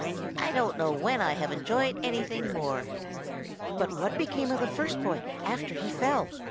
I don't know when I have enjoyed anything more." "But what became of the first boy after he fell?"